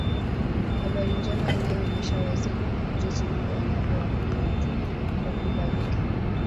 Habari njema inaonyesha wazi jinsi Mungu anavyowafanya watu wakubalike